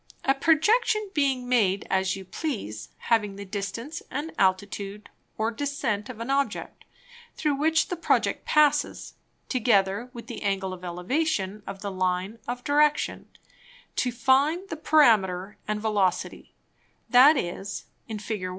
A Projection being made as you please, having the Distance and Altitude, or Descent, of an Object, through which the Project passes, together with the Angle of Elevation of the Line of Direction; to find the Parameter and Velocity, that is (in _Fig.